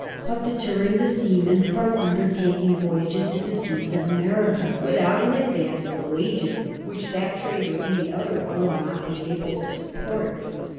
—" of deterring the seamen from undertaking voyages to the seas of America without an advance of wages, which that trade or any other will not be able to support."